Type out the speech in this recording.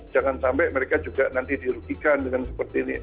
jangan sampai mereka juga nanti dirugikan dengan seperti ini